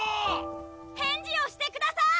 返事をしてください！